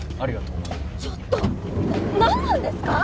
ちょっと。何なんですか！？